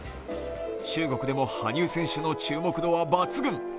中国でも羽生選手の注目度は抜群。